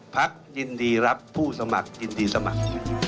พักยินดีรับผู้สมัครยินดีสมัคร